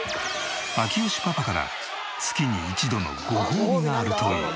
明慶パパから月に１度のごほうびがあるという。